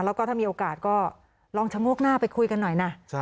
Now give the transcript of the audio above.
แล้วก็ถ้ามีโอกาสก็ลองชะโงกหน้าไปคุยกันหน่อยนะ